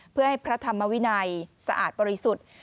เพื่อให้พระธรรมวินัยสะอาดบริสุทธิ์